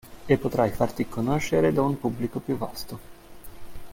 E potrai farti conoscere da un pubblico più vasto.